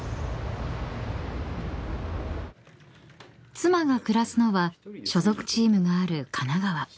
［妻が暮らすのは所属チームがある神奈川］